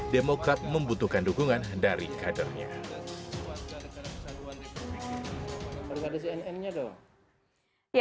demokrat membutuhkan dukungan dari kadernya